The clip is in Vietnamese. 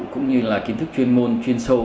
cũng như là kiến thức chuyên môn chuyên sâu